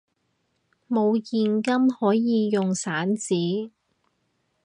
冇現金可以用散紙！